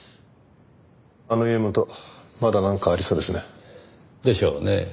あの家元まだなんかありそうですね。でしょうねぇ。